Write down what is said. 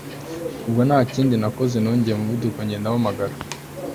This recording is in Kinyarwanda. ubwo ntakindi nakoze nongeye umuvuduko ngenda mpamagara